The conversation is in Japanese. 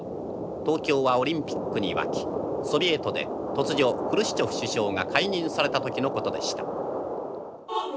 東京はオリンピックに沸きソビエトで突如フルシチョフ首相が解任された時のことでした」。